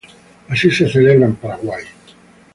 Así se celebra en Paraguay.